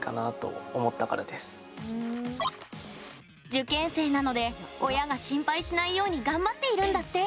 受験生なので親が心配しないように頑張っているんだって。